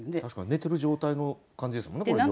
確かに寝てる状態の感じですもんね